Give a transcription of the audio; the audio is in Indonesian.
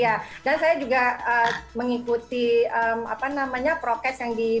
iya dan saya juga mengikuti apa namanya prokes yang diberikan